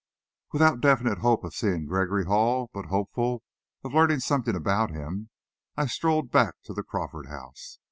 Without definite hope of seeing Gregory Hall, but hopeful of learning something about him, I strolled back to the Crawford house.